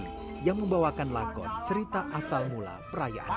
petunjuk yang membawakan lagu cerita asal mula perayaan yang